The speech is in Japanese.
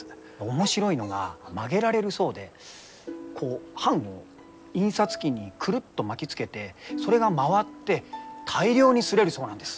面白いのが曲げられるそうでこう版を印刷機にくるっと巻きつけてそれが回って大量に刷れるそうなんです。